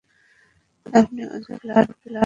আপনি অযথা blood pressure বাড়াচ্ছেন?